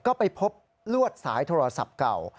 ก็ไปพบลวดสายโทรศัพท์เก่า